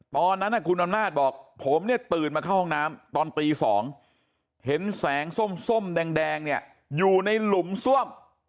ตอนนั้นคุณอำนาจบอกผมเนี่ยตื่นมาเข้าห้องน้ำตอนตี๒เห็นแสงส้มแดงเนี่ยอยู่ในหลุมซ่วม